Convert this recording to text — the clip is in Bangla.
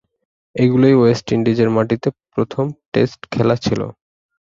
এগুলোই ওয়েস্ট ইন্ডিজের মাটিতে প্রথম টেস্ট খেলা ছিল।